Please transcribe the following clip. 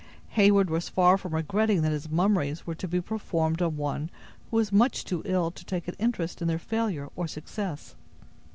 Heyward was far from regretting that his mummeries were to be performed on one who was much too ill to take an interest in their failure or success.